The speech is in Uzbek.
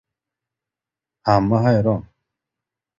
Hamma hayron.